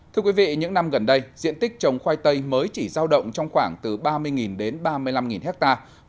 thưa quý vị những năm gần đây diện tích trồng khoai tây mới chỉ giao động trong khoảng từ ba mươi đến ba mươi năm hectare